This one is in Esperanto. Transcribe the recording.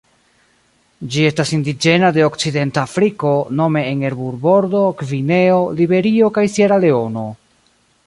Ĝi estas indiĝena de Okcidenta Afriko nome en Eburbordo, Gvineo, Liberio kaj Sieraleono.